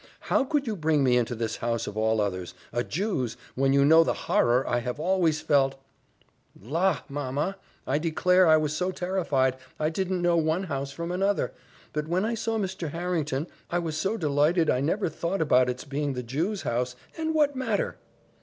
how could you bring me into this house of all others a Jew's when you know the horror I have always felt " "La, mamma! I declare I was so terrified, I didn't know one house from another. But when I saw Mr. Harrington, I was so delighted I never thought about it's being the Jew's house and what matter?"